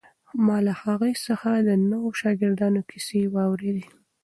ما له هغې څخه د نویو شاګردانو کیسې واورېدې.